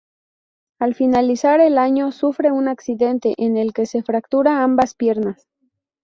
Al finalizar el año sufre un accidente en el que se fractura ambas piernas.